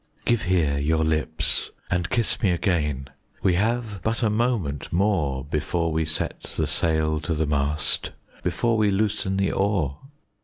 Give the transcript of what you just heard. Give here your lips and kiss me again, we have but a moment more, Before we set the sail to the mast, before we loosen the oar.